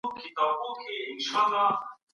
که قدرت نه وي سياستپوهنه مانا نه لري.